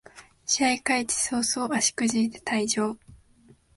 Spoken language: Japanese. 試合開始そうそう足くじいて退場